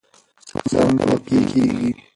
څنګه به پلي کېږي؟